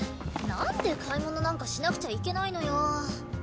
なんで買い物なんかしなくちゃいけないのよ？